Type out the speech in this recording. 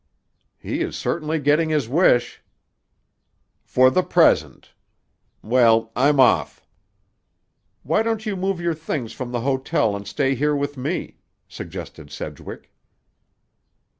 "He is certainly getting his wish!" "For the present. Well, I'm off." "Why don't you move your things from the hotel and stay here with me?" suggested Sedgwick.